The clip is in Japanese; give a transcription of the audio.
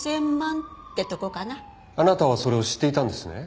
あなたはそれを知っていたんですね？